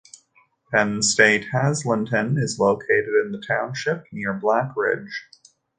Penn State Hazleton is located in the township near Black Ridge.